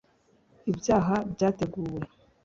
ibyaha byateguwe